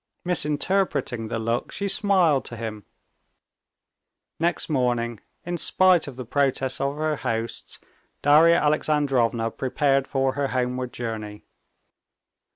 Misinterpreting the look, she smiled to him. Next morning, in spite of the protests of her hosts, Darya Alexandrovna prepared for her homeward journey.